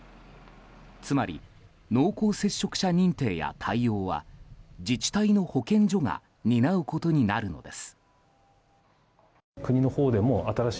つまり、濃厚接触者認定や対応は自治体の保健所が担うことになるのです。